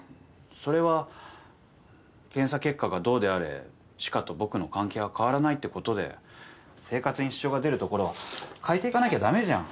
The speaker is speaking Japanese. それは検査結果がどうであれ知花と僕の関係は変わらないってことで生活に支障が出るところは変えてかなきゃ駄目じゃん。